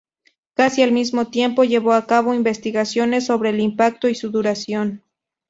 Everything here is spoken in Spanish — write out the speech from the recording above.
Casi al mismo tiempo llevó a cabo investigaciones sobre el impacto y su duración.